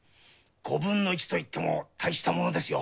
５分の１といっても大したものですよ。